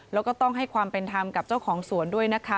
แล้วก็ต้องให้ความเป็นธรรมกับเจ้าของสวนด้วยนะคะ